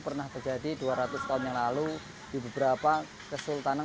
pernah terjadi dua ratus tahun yang lalu di beberapa kesultanan